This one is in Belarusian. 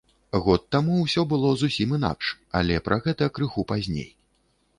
Год таму ўсё было зусім інакш, але пра гэта крыху пазней.